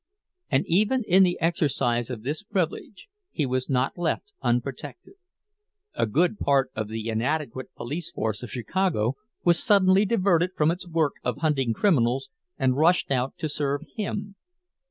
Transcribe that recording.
And even in the exercise of this privilege he was not left unprotected; a good part of the inadequate police force of Chicago was suddenly diverted from its work of hunting criminals, and rushed out to serve him.